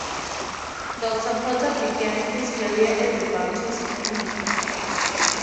Doctor Potter began his career as a Baptist minister.